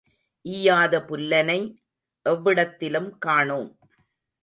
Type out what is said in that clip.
ஈயாத புல்லனை எவ்விடத்திலும் காணோம்.